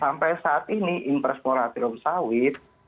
sampai saat ini impres moratorium sawit